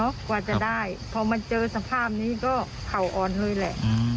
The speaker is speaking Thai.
กว่าจะได้พอมาเจอสภาพนี้ก็เข่าอ่อนเลยแหละ